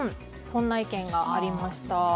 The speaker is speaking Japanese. こんな意見がありました。